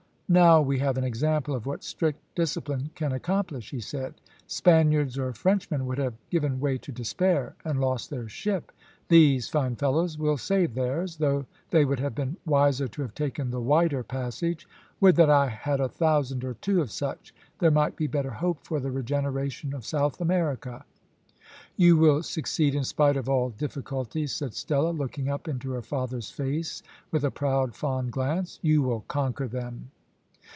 now we have an example of what strict discipline can accomplish," he said. "Spaniards or Frenchmen would have given way to despair and lost their ship. These fine fellows will save theirs, though they would have been wiser to have taken the wider passage. Would that I had a thousand or two of such: there might be better hope for the regeneration of South America." "You will succeed in spite of all difficulties," said Stella, looking up into her father's face with a proud, fond glance; "you will conquer them."